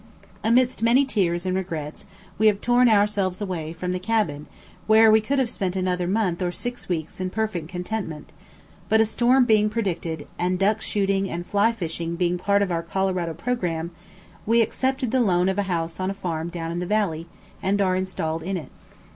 Amidst many tears and regrets, we have torn ourselves away from the cabin, where we could have spent another month or six weeks in perfect contentment; but a storm being predicted, and duck shooting and fly fishing being part of our Colorado programme, we accepted the loan of a house on a farm down in the valley, and are installed in it.